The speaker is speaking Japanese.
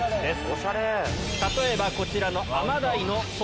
例えばこちらの。